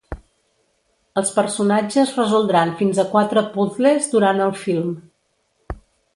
Els personatges resoldran fins a quatre puzles durant el film.